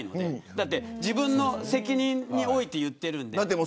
だって、自分の責任において言ってるので。